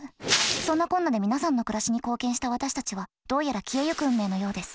そんなこんなで皆さんの暮らしに貢献した私たちはどうやら消えゆく運命のようです。